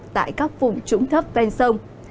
tại các vùng trúng thấp ven sông